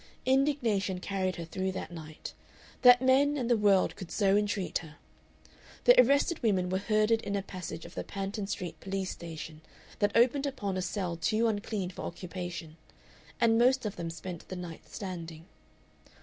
Indignation carried her through that night, that men and the world could so entreat her. The arrested women were herded in a passage of the Panton Street Police station that opened upon a cell too unclean for occupation, and most of them spent the night standing.